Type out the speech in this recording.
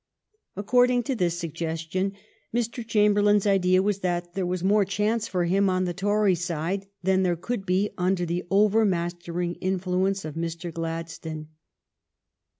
According to this suggestion, Mr. Chamberlain's idea was that there was more chance for him on the Tory side than there could be under the over mastering influence of Mr. Gladstone.